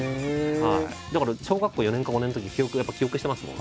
だから小学校４年か５年のときやっぱ記憶してますもん。